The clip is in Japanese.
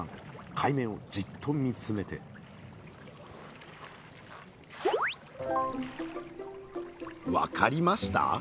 海面をじっと見つめて分かりました？